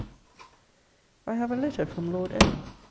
I have a letter from Lord M.